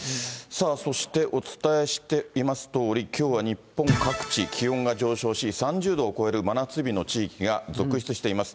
そしてお伝えしていますとおり、きょうは日本各地、気温が上昇し、３０度を超える真夏日の地域が続出しています。